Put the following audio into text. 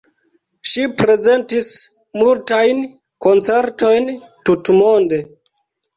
Ŝi prezentis multajn koncertojn tutmonde.